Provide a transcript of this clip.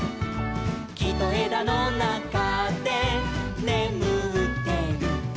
「きとえだのなかでねむってる」